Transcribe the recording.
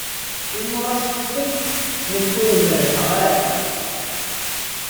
Imuras fukken nekk ur merḥeɣ ara.